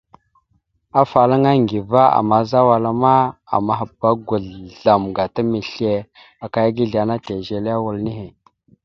Afalaŋa Aŋgiva àmaza wala ma, amahba agwazl azzlam gata misle akaya aga izle ana tèzire wal nehe.